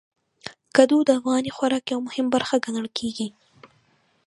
کدو د افغاني خوراک یو مهم برخه ګڼل کېږي.